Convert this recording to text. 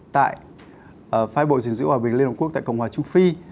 tại phái bộ dình giữ hòa bình liên hợp quốc tại cộng hòa trung phi